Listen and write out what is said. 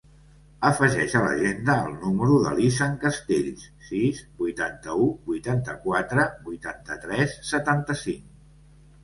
Afegeix a l'agenda el número de l'Izan Castells: sis, vuitanta-u, vuitanta-quatre, vuitanta-tres, setanta-cinc.